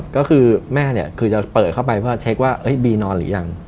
ก็คือแม่เนี่ยคือจะเปิดเข้าไปเพื่อเช็คว่าบีนอนหรือยัง